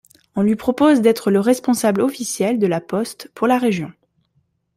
On lui propose d'être le responsable officiel de la poste pour la région.